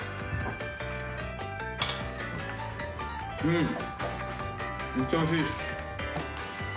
うん！